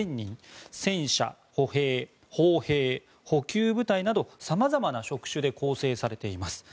戦車、歩兵、砲兵、補給部隊など様々な職種で構成されています。